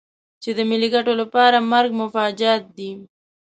چې د ملي ګټو لپاره مرګ مفاجات دی.